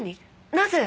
なぜ？